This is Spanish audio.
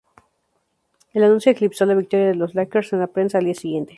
El anuncio eclipsó la victoria de los Lakers en la prensa al día siguiente.